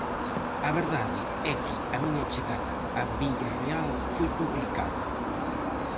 A verdade é que a miña chegada a Villarreal foi complicada.